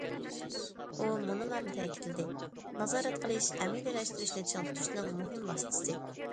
ئۇ مۇنۇلارنى تەكىتلىدى: نازارەت قىلىش ئەمەلىيلەشتۈرۈشنى چىڭ تۇتۇشنىڭ مۇھىم ۋاسىتىسى.